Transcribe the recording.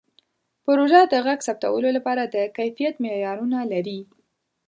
پروژه د غږ ثبتولو لپاره د کیفیت معیارونه لري.